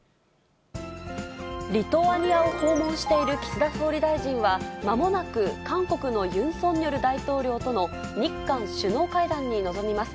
リトアニアを訪問している岸田総理大臣は、まもなく韓国のユン・ソンニョル大統領との日韓首脳会談に臨みます。